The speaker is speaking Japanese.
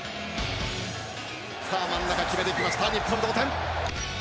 さあ、真ん中決めてきました、日本同点！